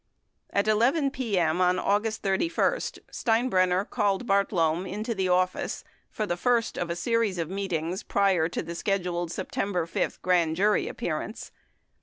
At 11 p.m. on August 31, Steinbrenner called Bartlome into the office for the first of a series of meetings prior to the scheduled Sep tember 5 grand jury appearance.